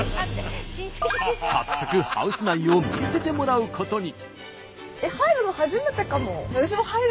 早速ハウス内を見せてもらうことに。